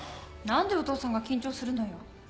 何でお父さんが緊張するのよ。